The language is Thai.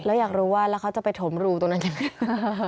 แล้วอยากรู้ว่าแล้วเขาจะไปถมรูตรงนั้นยังไง